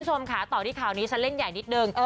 คุณผู้ชมค่ะต่อที่ข่าวนี้ฉันเล่นใหญ่นิดนึง